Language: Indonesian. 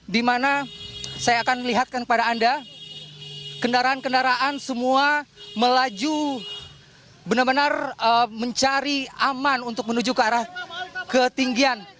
di mana saya akan melihatkan kepada anda kendaraan kendaraan semua melaju benar benar mencari aman untuk menuju ke arah ketinggian